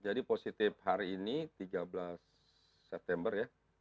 jadi positif hari ini tiga belas september ya